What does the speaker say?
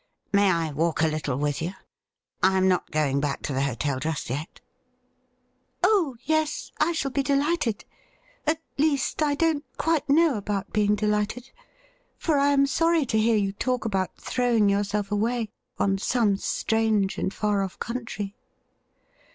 ' May I walk a little with you ? I am not going back to the hotel just yet.' ' Oh yes, I shall be delighted — at least, I don't quite know about being delighted, for I am sorry to hear you talk about throwing yourself away on some strange and far off country.'